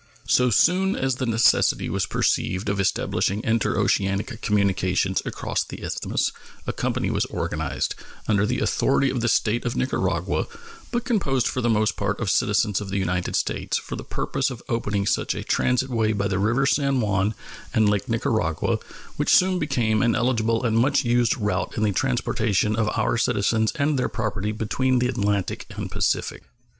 So soon as the necessity was perceived of establishing interoceanic communications across the Isthmus a company was organized, under the authority of the State of Nicaragua, but composed for the most part of citizens of the United States, for the purpose of opening such a transit way by the river San Juan and Lake Nicaragua, which soon became an eligible and much used route in the transportation of our citizens and their property between the Atlantic and Pacific.